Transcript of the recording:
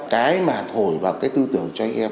cái mà thổi vào cái tư tưởng cho anh em